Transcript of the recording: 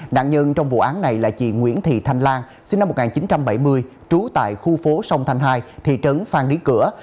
nạn nhân trong vụ án này là chị nguyễn thị thanh lan sinh năm một nghìn chín trăm bảy mươi trú tại khu phố sông thanh hai thị trấn phan đi cửa